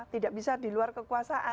tidak bisa di luar kekuasaan